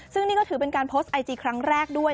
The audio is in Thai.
ซึ่งนี่ก็ถือเป็นการโพสต์ไอจีครั้งแรกด้วย